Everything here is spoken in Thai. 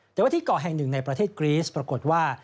แต่ว่าที่เกาะแห่งหนึ่งในประเทศกรีสปรากฏว่า